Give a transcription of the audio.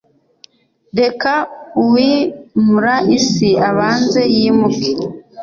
Reka uwimura isi abanze yimuke.